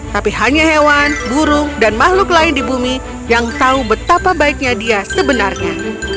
tapi hanya hewan burung dan makhluk lain di bumi yang tahu betapa baiknya dia sebenarnya